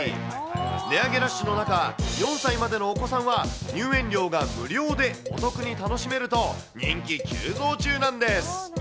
値上げラッシュの中、４歳までのお子さんは入園料が無料でお得に楽しめると人気急増中なんです。